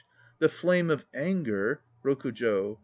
"The flame of anger ROKUJO.